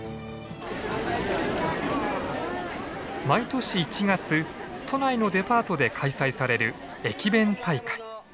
毎年１月都内のデパートで開催される駅弁大会。